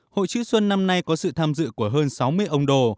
hội chữ xuân năm nay có sự tham dự của hơn sáu mươi ông đồ